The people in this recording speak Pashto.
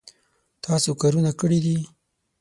تاسو کارونه کړي دي